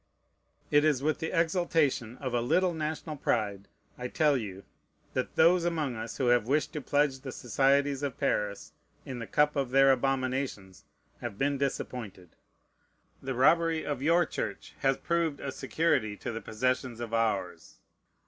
It is with the exultation of a little national pride I tell you that those amongst us who have wished to pledge the societies of Paris in the cup of their abominations have been disappointed. The robbery of your Church has proved a security to the possessions of ours.